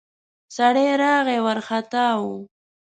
سړی راغی ، وارختا و.